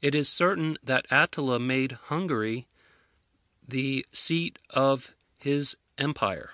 It is certain that Attila made Hungary the seat of his empire.